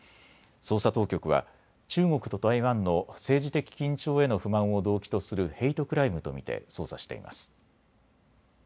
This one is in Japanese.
捜査当局は中国と台湾の政治的緊張への不満を動機とするヘイトクライムと見て捜査しています。